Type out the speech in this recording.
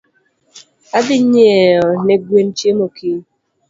Adhi nyieo ne gwen chiemo kiny.